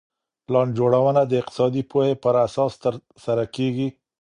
پلان جوړونه د اقتصادي پوهي په اساس ترسره کيږي.